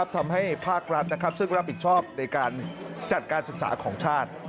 ทำให้ภาครัฐซึ่งรับผิดชอบในการจัดการศึกษาของชาติ